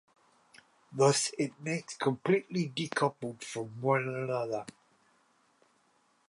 Thus, it makes completely decoupled from one another.